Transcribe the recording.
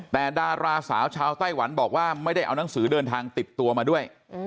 แต่ดาราสาวชาวไต้หวันบอกว่าไม่ได้เอาหนังสือเดินทางติดตัวมาด้วย